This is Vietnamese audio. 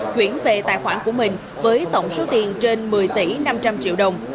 chuyển về tài khoản của mình với tổng số tiền trên một mươi tỷ năm trăm linh triệu đồng